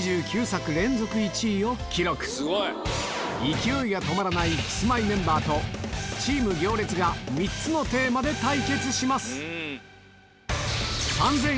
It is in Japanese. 勢いが止まらないキスマイメンバーとチーム行列が３つのテーマで対決します